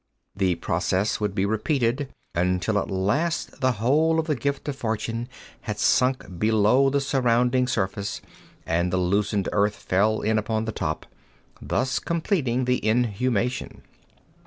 The process would be repeated until at last the whole of the gift of fortune had sunk below the surrounding surface and the loosened earth fell in upon the top, thus completing the inhumation.